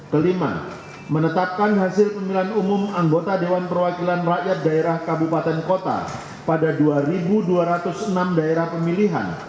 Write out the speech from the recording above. kelima menetapkan hasil pemilihan umum anggota dewan perwakilan rakyat daerah kabupaten kota pada dua dua ratus enam daerah pemilihan